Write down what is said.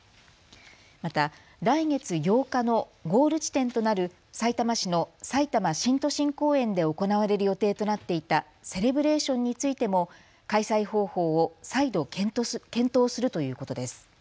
また来月８日のゴール地点となるさいたま市のさいたま新都心公園で行われる予定となっていたセレブレーションについても開催方法を再度、検討するということです。